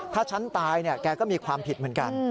ถ้าฉันตายเนี่ยแกก็มีความผิดเหมือนกัน